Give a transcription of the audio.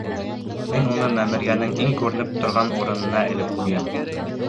Мин уны мәмерйәнең иң күренеп торған урынына элеп ҡуям.